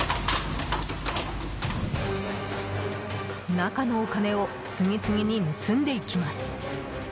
中のお金を次々に盗んでいきます。